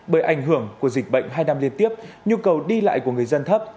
bởi ảnh hưởng của dịch bệnh hai năm liên tiếp nhu cầu đi lại của người dân thấp